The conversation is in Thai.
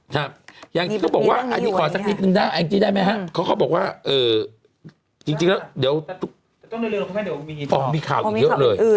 ใช่อย่างนี้ต้องบอกว่าอันนี้ขอสักนิดนึงได้ไอจี๊ได้ไหมฮะเขาบอกว่าเออจริงแล้วเดี๋ยวอ๋อมีข่าวอื่นเลย